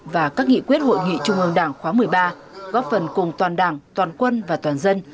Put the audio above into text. và các nghị quyết hội nghị trung ương đảng khóa một mươi ba góp phần cùng toàn đảng toàn quân và toàn dân